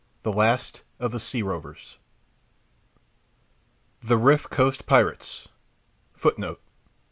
THE LAST OF THE SEA ROVERS The Riff Coast Pirates W.